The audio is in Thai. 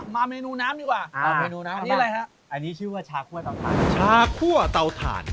มาเมนูน้ำดีกว่า